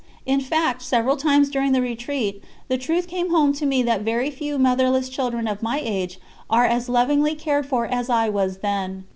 In fact, several times during the retreat, the truth came home to me that very few motherless children of my age are as lovingly cared for as I was then.